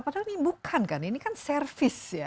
padahal ini bukan kan ini kan service